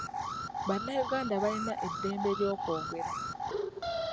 Bannayuganda balina eddembe ly'okwogera.